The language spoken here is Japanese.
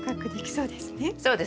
そうですね。